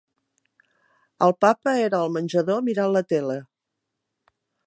El papa era al menjador, mirant la tele.